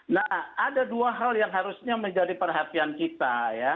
nah ada dua hal yang harusnya menjadi perhatian kita ya